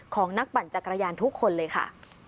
ของนักปั่นจักรยานทุกคนเลยค่ะ